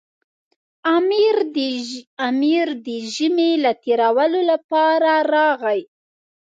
امیر د ژمي له تېرولو لپاره راغی.